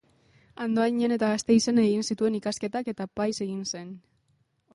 Andoainen eta Gasteizen egin zituen ikasketak eta apaiz egin zen.